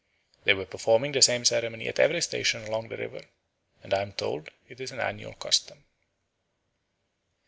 They were performing the same ceremony at every station along the river, and I am told it is an annual custom."